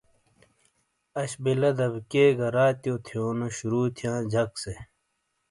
آش بِیلہ دبیکئیے گہ راتیو تھیونو شروع تھیاں جک سے ۔